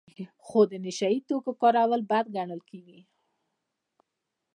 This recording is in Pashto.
خو د نشه یي توکو کارول بد ګڼل کیږي.